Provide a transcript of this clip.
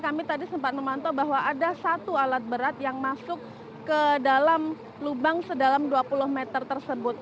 kami tadi sempat memantau bahwa ada satu alat berat yang masuk ke dalam lubang sedalam dua puluh meter tersebut